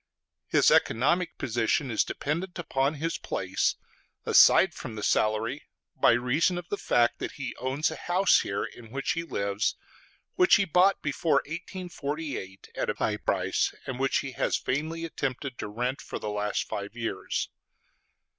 His economic position is dependent upon his place, aside from the salary, by reason of the fact that he owns a house here in which he lives, which he bought before 1848 at a high price, and which he has vainly attempted to rent for the last five years.